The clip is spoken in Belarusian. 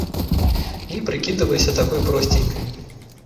Не прыкідвайся такой просценькай.